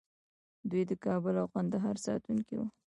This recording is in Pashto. دوی د کابل او ګندهارا ساتونکي وو